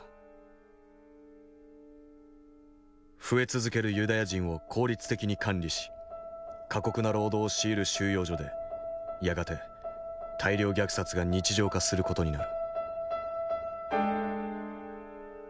増え続けるユダヤ人を効率的に管理し過酷な労働を強いる収容所でやがて大量虐殺が日常化する事になる。